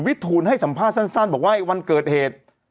วิทูณให้สัมภาษณ์สั้นแล้วบอกว่าไอ้วันเกิดเหตุ